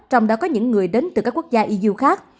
trong đó có những người đến từ các quốc gia eu khác